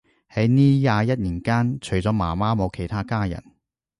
喺呢廿一年間，除咗媽媽冇其他家人